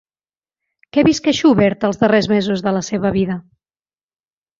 Què visqué Schubert els darrers mesos de la seva vida?